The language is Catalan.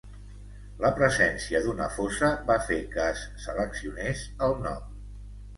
La presència d'una fosa va fer que es seleccionés el nom.